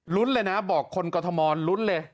ลุ้นเลยนะบอกคนกฎธมรรณ์ลุ้นเลย